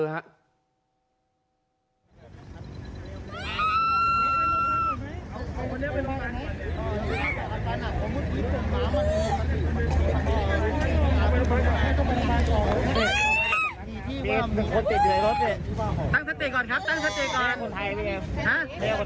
เอาคนเนี้ยไปลงกัน